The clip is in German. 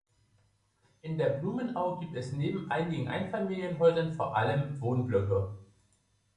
In der Blumenau gibt es neben einigen Einfamilienhäusern vor allem Wohnblöcke.